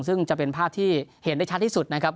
ซึ่งจะเป็นภาพที่เห็นได้ชัดที่สุดนะครับ